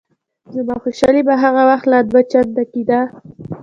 زما خوشحالي به هغه وخت لا دوه چنده کېده.